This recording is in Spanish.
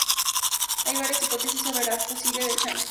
Hay varias hipótesis sobre la posible de Champ.